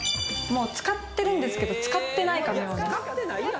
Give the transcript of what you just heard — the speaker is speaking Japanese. もう使ってるんですけど、使ってないかのように。